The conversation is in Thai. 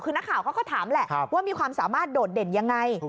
คือนักข่าวเขาก็ถามแหละว่ามีความสามารถโดดเด่นยังไง